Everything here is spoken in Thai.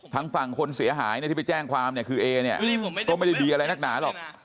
ทางฝั่งคนเสียหายที่ไปแจ้งความเนี่ยคือเอเนี่ยก็ไม่ได้ดีอะไรนักหนาหรอก